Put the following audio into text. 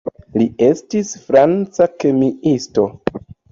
Li estis franca kemiisto.